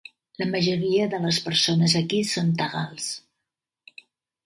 La majoria de les persones aquí són tagals.